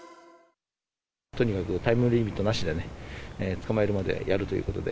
とにかくタイムリミットなしでね、捕まえるまでやるということで。